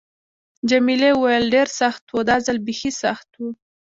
جميلې وويل:: ډېر سخت و، دا ځل بیخي سخت و.